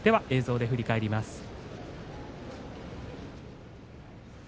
映像で振り返ります。